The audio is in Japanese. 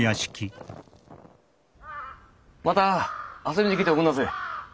また遊びに来ておくんなせえ。